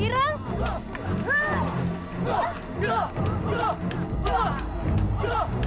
ternyata dari dulu kau tak pernah buang